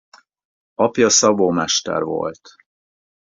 Apja szabómester volt.